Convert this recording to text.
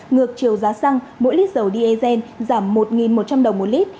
ngược chiều giá xăng mỗi lít dầu diesel giảm một một trăm linh đồng một lít